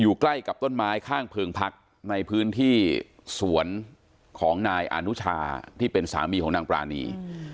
ใกล้กับต้นไม้ข้างเพิงพักในพื้นที่สวนของนายอนุชาที่เป็นสามีของนางปรานี